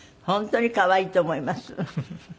本当に可愛いと思います。